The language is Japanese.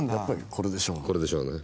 これでしょうね。